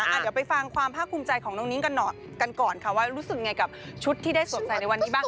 เดี๋ยวไปฟังความภาคภูมิใจของน้องนิ้งกันหน่อยกันก่อนค่ะว่ารู้สึกยังไงกับชุดที่ได้สวมใส่ในวันนี้บ้าง